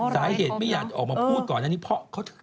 สายเหตุไม่อยากมาพูดก่อนด้านนี้เพราะเค้าเคล็ด